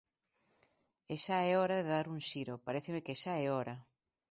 E xa é hora de dar un xiro, paréceme que xa é hora.